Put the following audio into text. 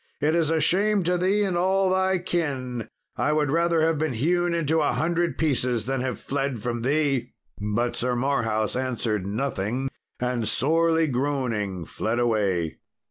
it is a shame to thee and all thy kin; I would rather have been hewn into a hundred pieces than have fled from thee." But Sir Marhaus answered nothing, and sorely groaning fled away.